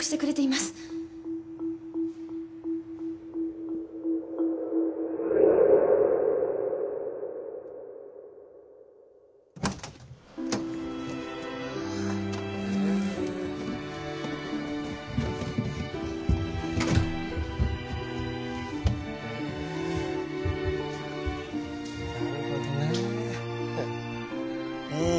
なるほどねぇ。